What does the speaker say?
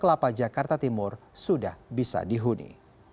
kelapa jakarta timur sudah bisa dihuni